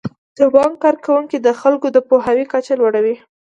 د بانک کارکوونکي د خلکو د پوهاوي کچه لوړوي.